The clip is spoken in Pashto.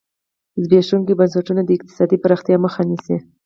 زبېښونکي بنسټونه د اقتصادي پراختیا مخه نیسي.